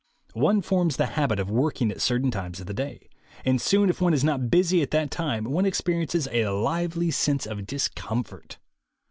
One forms the habit of working at certain times of the day, and soon if one is not busy at that time one experiences a lively sense of discomfort.